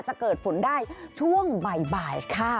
จะเกิดฝนได้ช่วงบ่ายค่ะ